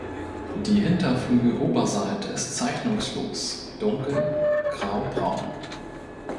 Die Hinterflügeloberseite ist zeichnungslos dunkel graubraun.